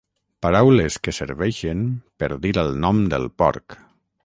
Paraules que serveixen per dir el nom del porc.